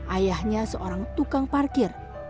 ayahnya seorang tukang parkir